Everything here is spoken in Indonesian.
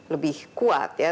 lebih kuat ya